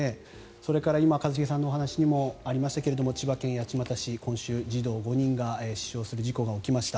それから今、一茂さんのお話にもありましたが千葉県八街市で今週児童５人が死傷する事故が起きました。